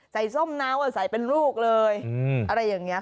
ส้มน้ำใส่เป็นลูกเลยอะไรอย่างนี้ค่ะ